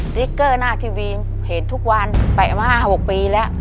ดริกเกอร์หน้าทีวีเห็นทุกวัน๘๖ปีแล้ว